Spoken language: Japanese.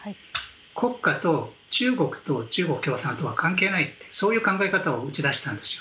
国家と中国と中国共産党は関係ないという考え方を去年打ち出したんです。